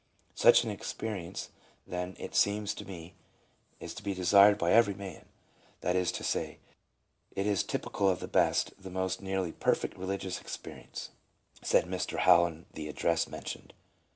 ... Such an experience, then, it seems to me, is to be desired by every man ; that is to say, it is typi cal of the best, the most nearly perfect religious experience," said Mr. Lowell in the address mentioned.